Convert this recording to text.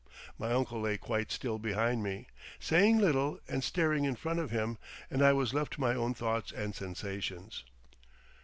My uncle lay quite still behind me, saying little and staring in front of him, and I was left to my own thoughts and sensations.